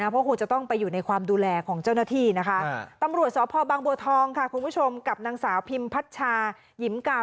บ้านของนายคมกฤษโพนี